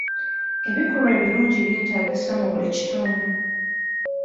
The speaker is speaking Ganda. Ebikolwa ebirungi byetaagisa mu buli kitundu.